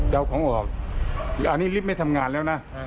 เดาของออกอันนี้ลิฟต์ไม่ทำงานแล้วนะ